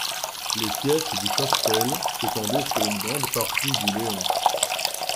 Les fiefs du Chastel s'étendaient sur une grande partie du Léon.